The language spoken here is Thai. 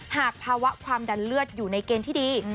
หากภาวะความดันเลือดอยู่ในเกณฑ์ที่ดี